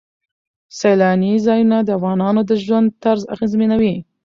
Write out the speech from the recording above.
سیلانی ځایونه د افغانانو د ژوند طرز اغېزمنوي.